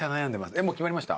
えっもう決まりました？